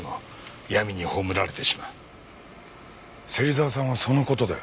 芹沢さんはその事で？